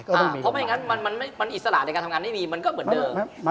เพราะไม่อย่างนั้นมันอิสระในการทำงานได้ดีมันก็เหมือนเดิม